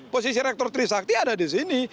posisi rektor trisakti ada di sini